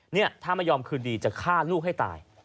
นี่ถ้าไม่ยอมคืนดีจะฆ่าลูกให้ตาย